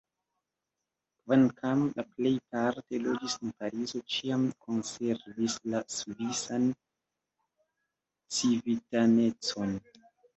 Kvankam le plejparte loĝis en Parizo, ĉiam konservis la svisan civitanecon.